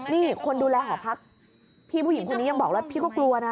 นี่คนดูแลหอพักพี่ผู้หญิงคนนี้ยังบอกแล้วพี่ก็กลัวนะ